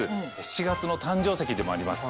７月の誕生石でもあります